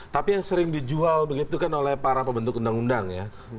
tapi yang sering dijual begitu kan oleh para pembentuk undang undang ya